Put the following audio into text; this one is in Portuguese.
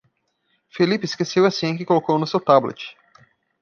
Felipe esqueceu a senha que colocou no seu tablet.